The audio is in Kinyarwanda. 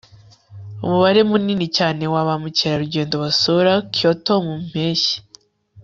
umubare munini cyane wa ba mukerarugendo basura kyoto mu mpeshyi